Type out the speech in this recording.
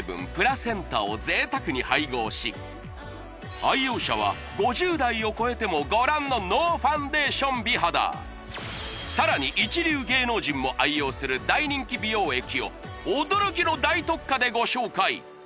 愛用者は５０代を超えてもご覧のノーファンデーション美肌さらに一流芸能人も愛用する大人気美容液を驚きの大特価でご紹介